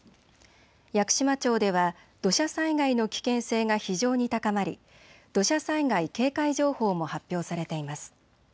屋久島町では土砂災害の危険性が非常に高まり土砂災害警戒情報も発表されています。